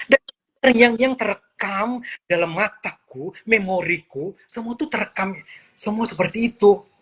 dan yang terekam dalam mataku memoriku semua tuh terekam semua seperti itu